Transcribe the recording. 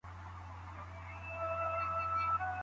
په دوبي کي سیندونه نه وچېږي.